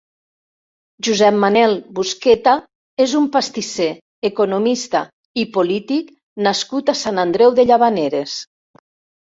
Josep Manel Busqueta és un pastisser, economista i polític nascut a Sant Andreu de Llavaneres.